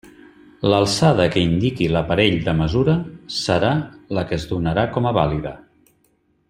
L'alçada que indiqui l'aparell de mesura serà la que es donarà com a vàlida.